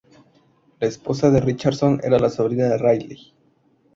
La esposa de Richardson era la sobrina de Riley.